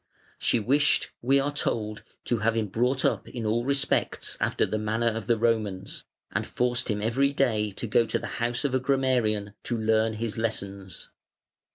She wished, we are told, to have him brought up in all respects after the manner of the Romans, and forced him every day to go to the house of a grammarian to learn his lessons.